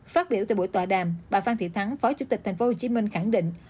phát biểu tại buổi tòa đàm bà phan thị thắng phó chủ tịch tp hcm khẳng định